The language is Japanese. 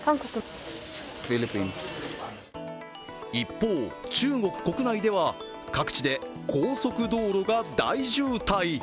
一方、中国国内では各地で高速道路が大渋滞。